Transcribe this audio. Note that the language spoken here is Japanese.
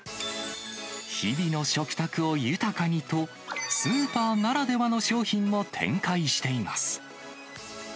日々の食卓を豊かにと、スーパーならではの商品も展開しています。